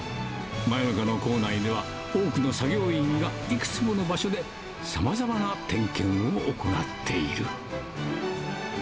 真夜中の構内では、多くの作業員がいくつもの場所でさまざまな点検を行っている。